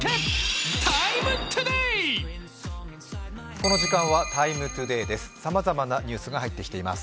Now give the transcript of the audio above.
この時間は「ＴＩＭＥ，ＴＯＤＡＹ」です。